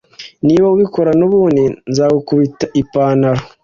Niba ubikora nubundi nzagukubita ipantaro.